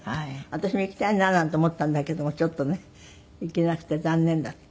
私も行きたいななんて思ったんだけどもちょっとね行けなくて残念だった。